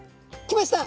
来ました！